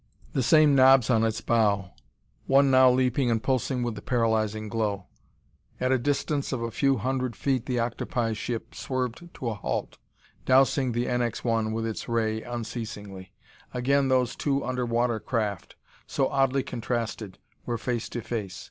The same knobs on its bow, one now leaping and pulsing with the paralyzing glow. At a distance of a few hundred feet the octopi ship swerved to a halt, dousing the NX 1 with its ray unceasingly. Again those two underwater craft, so oddly contrasted, were face to face.